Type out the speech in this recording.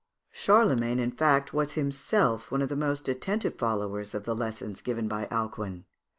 Charlemagne, in fact, was himself one of the most attentive followers of the lessons given by Alcuin.